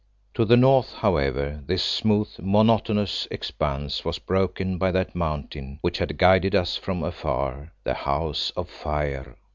To the north, however, this smooth, monotonous expanse was broken by that Mountain which had guided us from afar, the House of Fire.